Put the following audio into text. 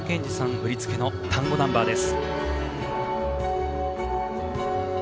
振り付けのタンゴナンバーです。